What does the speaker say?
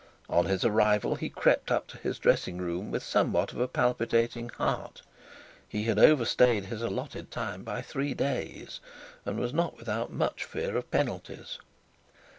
On his arrival he crept up to his dressing room with somewhat of a palpitating heart; he had overstayed his allotted time by three days, and was not without fear of penalties.